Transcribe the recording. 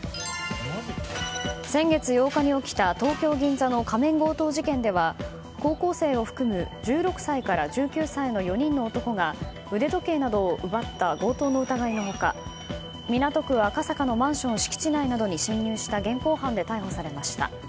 先月８日に起きた東京・銀座の仮面強盗事件では高校生を含む１６歳から１９歳の４人の男が腕時計などを奪った強盗の疑いの他港区赤坂のマンション敷地内などに侵入した現行犯で逮捕されました。